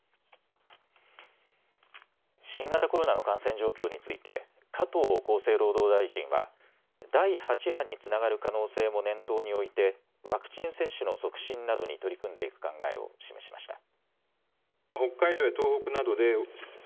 新型コロナの感染状況について加藤厚生労働大臣は第８波につながる可能性も念頭に置いてワクチン接種の促進などに取り組んでいく考えを示しました。